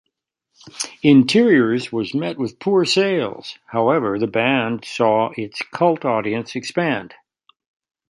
"Interiors" was met with poor sales, however the band saw its cult audience expand.